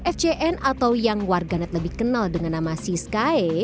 fcn atau yang warganet lebih kenal dengan nama siskae